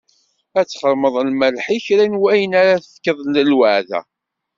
Ad txedmeḍ lmelḥ i kra n wayen ara tefkeḍ d lweɛda.